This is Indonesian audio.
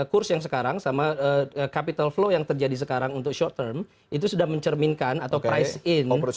kurs yang sekarang sama capital flow yang terjadi sekarang untuk short term itu sudah mencerminkan atau price in